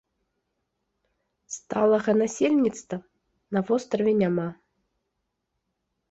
Сталага насельніцтва на востраве няма.